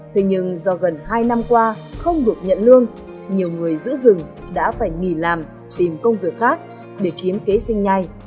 thế nhưng do gần hai năm qua không được nhận lương nhiều người giữ rừng đã phải nghỉ làm tìm công việc khác để chiến kế sinh nhai